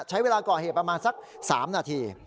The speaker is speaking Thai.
ใช้เวลาก่อเหตุประมาณสัก๓นาที